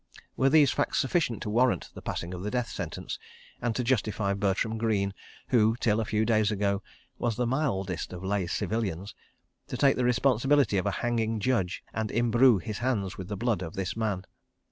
Were these facts sufficient to warrant the passing of the death sentence and to justify Bertram Greene, who, till a few days ago, was the mildest of lay civilians, to take the responsibility of a hanging judge and imbrue his hands with the blood of this man?